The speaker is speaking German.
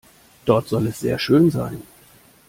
Dort soll es sehr schön sein.